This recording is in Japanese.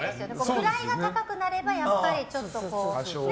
位が高くなればやっぱり、ちょっとこう。